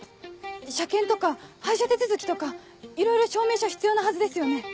車検とか廃車手続きとかいろいろ証明書必要なはずですよね。